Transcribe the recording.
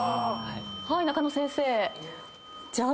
はい中野先生。